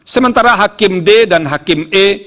sementara hakim d dan hakim e